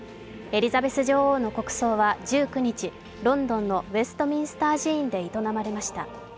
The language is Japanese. エリザベス女王の国葬は１９日、ロンドンのウェストミンスター寺院で営まれました。